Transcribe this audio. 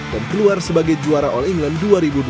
dan keluar sebagai juara all england dua ribu dua puluh empat